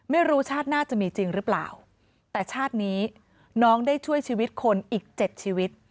ไม่รู้ชาติหน้าจะมีจริงหรือเปล่าแต่ชาตินี้น้องได้ช่วยชีวิตคนอีกเจ็ดชีวิต